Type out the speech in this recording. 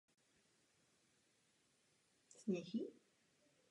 Tento postup také naznačuje ekologický způsob myšlení.